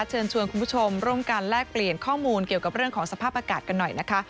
เชิญชวนคุณผู้ชมร่วมกันแลกเปลี่ยนข้อมูลเกี่ยวกับเรื่องของสภาพอากาศกันหน่อยนะคะ